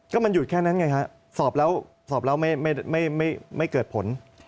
ก็มันอยู่แค่นั้นไงครับสอบแล้วไม่เกิดผล